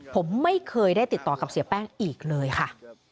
ผมไม่เคยได้ติดต่อกับเสียแป้งอีกเลยค่ะ